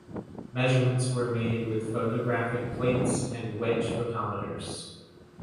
Measurements were made with photographic plates and wedge photometers.